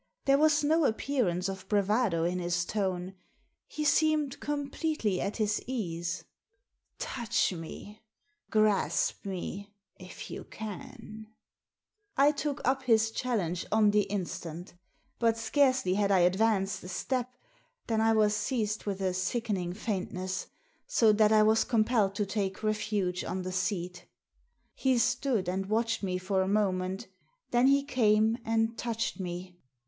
There was no appearance of bravado in his tone. He seemed completely at his ease. " Touch me ! Grasp me, if you can !" I took up his challenge on the instant But scarcely had I advanced a step than I was seized with a sickening faintness, so that I was compelled to take refuge on the seat He stood and watched me for a moment Then he came and touched me.